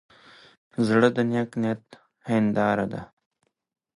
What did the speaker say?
زړه د نیک نیت هنداره ده.